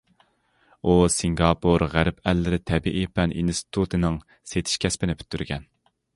ئۇ سىنگاپور غەرب ئەللىرى تەبىئىي پەن ئىنستىتۇتىنىڭ سېتىش كەسپىنى پۈتتۈرگەن.